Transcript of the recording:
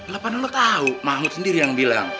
lepas lu tau mahmud sendiri yang bilang